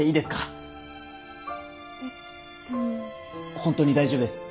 ホントに大丈夫です。